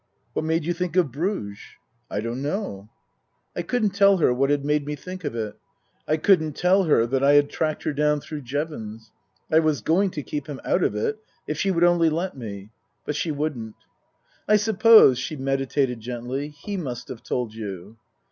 " What made you think of Bruges ?"" I don't know." I couldn't tell her what had made me think of it. I couldn't tell her that I had tracked her down through Jevons. I was going to keep him out of it, if she would only let me. But she wouldn't. " I suppose," she meditated gently, " he must have told you."